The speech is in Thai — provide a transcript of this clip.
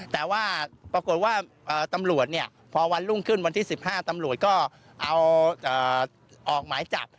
แต่ว่าปรากฏว่าตำรวจพอวันรุ่งขึ้นวันที่๑๕ตำรวจก็เอาออกหมายจับ